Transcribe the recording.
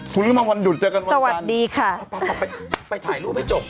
คุณก็มาวันหยุดเจอกันก่อนสวัสดีค่ะไปไปถ่ายรูปให้จบ